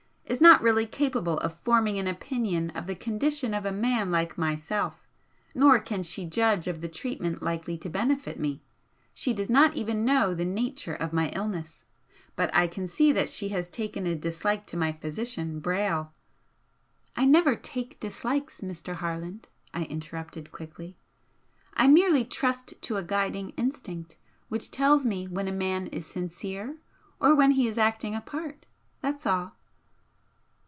is not really capable of forming an opinion of the condition of a man like myself, nor can she judge of the treatment likely to benefit me. She does not even know the nature of my illness but I can see that she has taken a dislike to my physician, Brayle " "I never 'take dislikes,' Mr. Harland," I interrupted, quickly "I merely trust to a guiding instinct which tells me when a man is sincere or when he is acting a part. That's all."